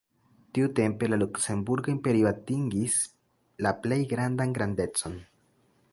Tiutempe la luksemburga imperio atingis la plej grandan grandecon.